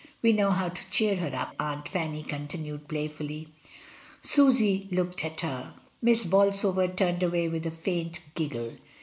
We know how to cheer her up," Aunt Fanny continued playfully. Susy looked at her. Miss Bolsover turned away with a faint giggle.